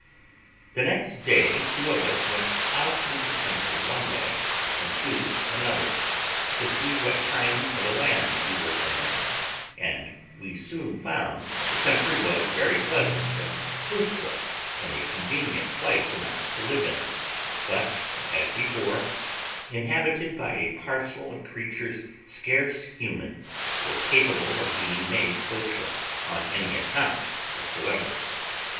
The next day two of us went out into the country one way, and two another, to see what kind of a land we were in; and we soon found the country was very pleasant and fruitful, and a convenient place enough to live in; but, as before, inhabited by a parcel of creatures scarce human, or capable of being made social on any account whatsoever.